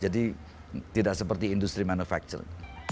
jadi tidak seperti industri manufacture